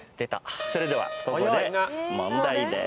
それではここで問題です。